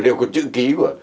đều có chữ ký của